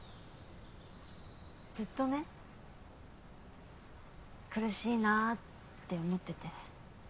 ずっとね苦しいなぁって思ってて。